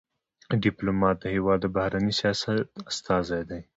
ډيپلومات د هېواد د بهرني سیاست استازی دی.